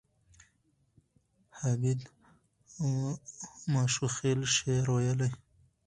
حمید ماشوخېل شعر ویلی.